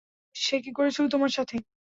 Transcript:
সে কী করেছিল তোমার সাথে?